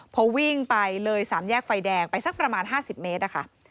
พอวิ่งไปเลย๓แยกไฟแดงไปสักประมาณ๕๐เมตรนะคะ